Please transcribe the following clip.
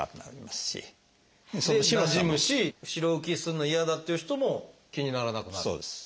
でなじむし白浮きするの嫌だっていう人も気にならなくなる？